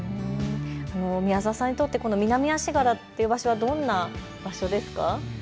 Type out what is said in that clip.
宮澤さんにとって南足柄という場所はどんな場所ですか。